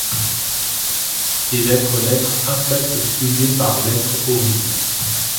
Et d'être l'être infect souillé par l'être horrible ;